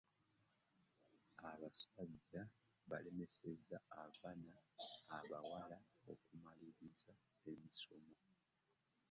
abasajja balemeseza avaana abawala okumaliriza emisomo